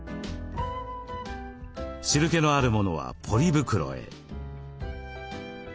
汁けのあるものはポリ袋へ。